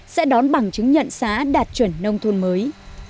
sẽ đón bằng chứng nhận xã đạt chuẩn nông thôn mới